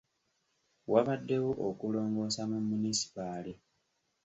Wabaddewo okulongoosa mu munisipaali.